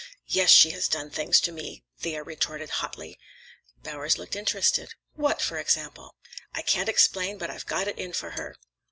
"Yes, she has done things to me," Thea retorted hotly. Bowers looked interested. "What, for example?" "I can't explain, but I've got it in for her."